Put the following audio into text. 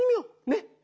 ねっ。